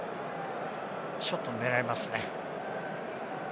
ショットを狙いますね。